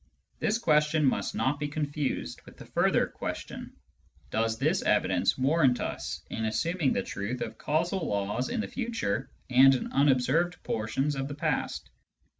This question must not be confused with the further question : Does this evidence warrant us in assuming the truth of causal laws in the future and in unobserved portions of the past